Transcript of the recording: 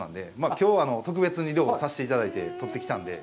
きょうは特別に漁をさせてもらって取ってきたので。